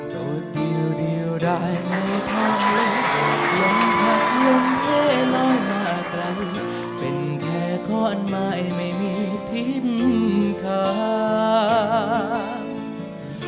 โดดเดียวได้ไม่ทันโดดล้มพักล้มเทล้อยมากันเป็นแค่ข้อนหมายไม่มีทิ้นทาง